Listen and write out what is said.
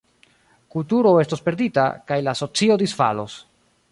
Kulturo estos perdita, kaj la socio disfalos.